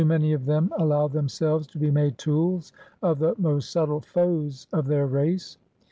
many of them allow themselves to be made tools of the most subtle foes of their race.